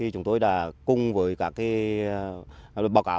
chúng tôi đã cùng với các báo cáo